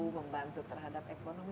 membantu terhadap ekonomi